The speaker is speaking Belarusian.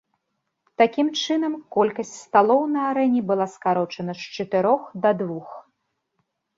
Такім чынам, колькасць сталоў на арэне была скарочана з чатырох да двух.